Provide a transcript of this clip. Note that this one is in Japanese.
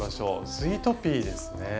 「スイートピー」ですね。